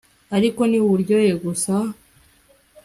Ariko ni uburyohe gusa